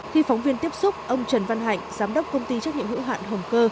khi phóng viên tiếp xúc ông trần văn hạnh giám đốc công ty trách nhiệm hữu hạn hồng cơ